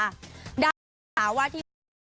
ดังนั้นสาวะที่